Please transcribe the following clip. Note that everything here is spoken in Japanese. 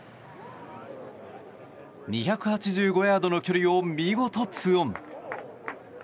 ２８５ヤードの距離を見事２オン。